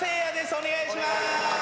お願いします。